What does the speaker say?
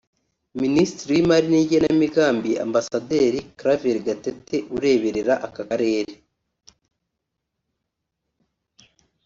Minisitiri w’Imari n’igenamigambi Ambasaderi Claver Gatete ureberera aka Karere